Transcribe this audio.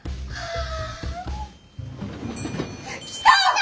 あ！